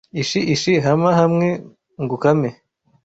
Ishi, ishi hama hamwe ngukame!